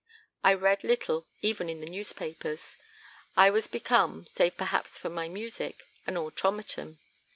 I read little, even in the newspapers. I was become, save perhaps for my music, an automaton.